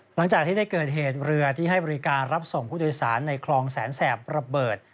หลังจากที่ได้เกิดเหตุเรือที่ให้บริการรับส่งผู้โดยสารในคลองแสนแสบระเบิด